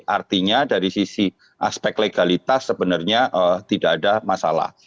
artinya dari sisi aspek legalitas sebenarnya tidak ada masalah